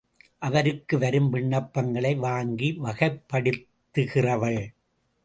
அவருக்கு வரும் விண்ணப்பங்களை வாங்கி வகைப்படுத்துகிறவள்.